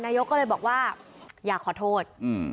นายกก็เลยบอกว่าอยากขอโทษ